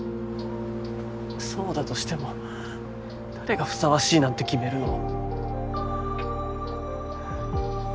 そうだとしても誰がふさわしいなんて決めるの？